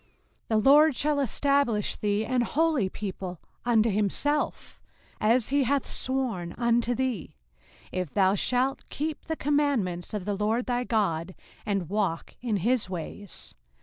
05:028:009 The LORD shall establish thee an holy people unto himself, as he hath sworn unto thee, if thou shalt keep the commandments of the LORD thy God, and walk in his ways.